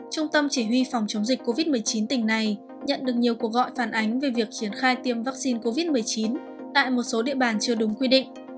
trung tâm chỉ huy phòng chống dịch covid một mươi chín tỉnh này nhận được nhiều cuộc gọi phản ánh về việc triển khai tiêm vaccine covid một mươi chín tại một số địa bàn chưa đúng quy định